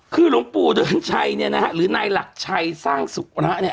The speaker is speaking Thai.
คือหลวงปู่เดือนชัยเนี่ยนะฮะหรือนายหลักชัยสร้างสุระเนี่ย